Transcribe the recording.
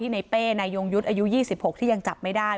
ในเป้นายยงยุทธ์อายุ๒๖ที่ยังจับไม่ได้